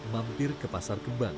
mampir ke pasar kembang